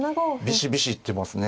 ビシビシ行ってますね